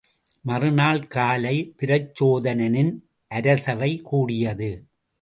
மறுநாள் காலை பிரச்சோதனனின் அரசவை கூடியது.